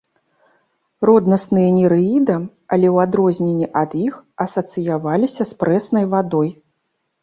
Роднасныя нерэідам, але ў адрозненне ад іх асацыяваліся з прэснай вадой.